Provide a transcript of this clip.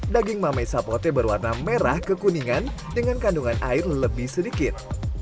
daging mame sapote berwarna merah kekuningan dengan kandungan air lebih sedikit